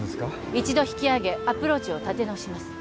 一度引き揚げアプローチを立て直します